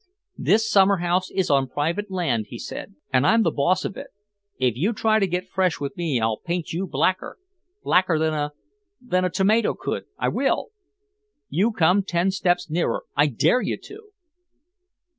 "This summer house is on private land," he said, "and I'm the boss of it. If you try to get fresh with me I'll paint you blacker—blacker than a—than a tomato could—I will. You come ten steps nearer, I dare you to."